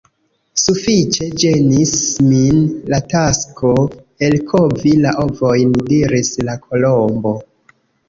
"Sufiĉe ĝenis min la tasko elkovi la ovojn," diris la Kolombo.